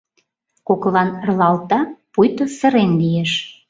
Коклан ырлалта, пуйто сырен лиеш.